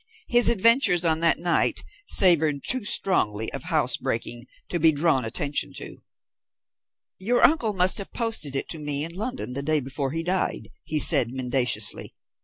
His adventures on that night savoured too strongly of house breaking to be drawn attention to. "Your uncle must have posted it to me in London the day before he died," he said mendaciously.